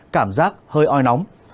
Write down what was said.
cảm giác hơi oi nóng